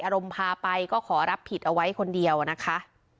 อารมณ์พาไปก็ขอรับผิดเอาไว้คนเดียวนะคะ